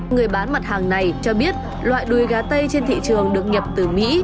người bán mặt hàng này cho biết loại đuôi gà tây trên thị trường được nhập từ mỹ